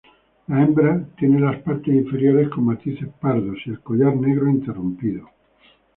La hembra tiene las partes inferiores con matices pardos y el collar negro interrumpido.